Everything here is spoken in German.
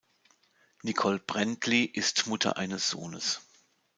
Nicole Brändli ist Mutter eines Sohnes.